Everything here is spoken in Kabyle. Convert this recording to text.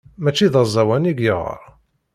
Mačči d aẓawan i yeɣɣar.